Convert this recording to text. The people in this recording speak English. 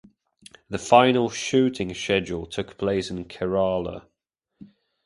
The final shooting schedule took place in Kerala.